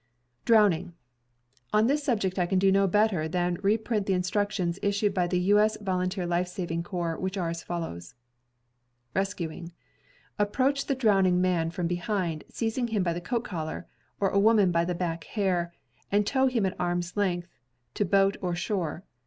]. On this subject I can do no better ^* than reprint the instructions issued by the U. S. Volunteer Life Saving Corps, which are as follows : RESCUING — Approach the drowning man from behind, seizing him by the coat collar, or a woman by the back hair, and tow him at arm's length to boat or shore.